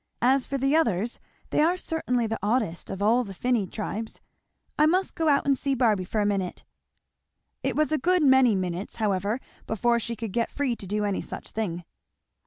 As for the others, they are certainly the oddest of all the finny tribes. I must go out and see Barby for a minute." It was a good many minutes, however, before she could get free to do any such thing.